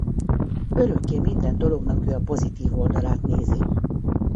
Örökké minden dolognak ő a pozitív oldalát nézi.